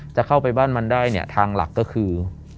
จะเข้าไปบ้านมันได้เนี่ยทางหลักก็คือ